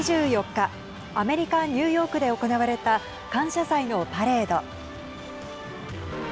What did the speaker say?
２４日、アメリカニューヨークで行われた感謝祭のパレード。